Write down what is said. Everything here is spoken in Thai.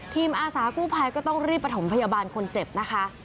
อาสากู้ภัยก็ต้องรีบประถมพยาบาลคนเจ็บนะคะ